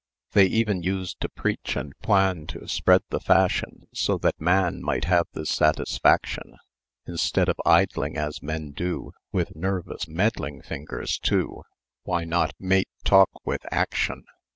"They even used to preach and plan To spread the fashion, so that man Might have this satisfaction; Instead of idling as men do, With nervous meddling fingers too, Why not mate talk with action?